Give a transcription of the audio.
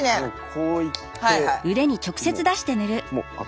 こういってもう。